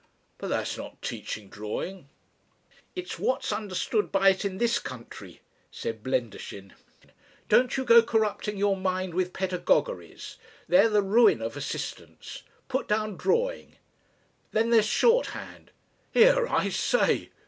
"But that's not teaching drawing " "It's what's understood by it in this country," said Blendershin. "Don't you go corrupting your mind with pedagogueries. They're the ruin of assistants. Put down drawing. Then there's shorthand " "Here, I say!"